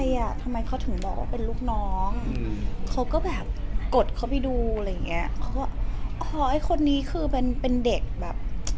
เหมือนพี่พีคเค้าก็ตอบกลับไปเหมือนกัน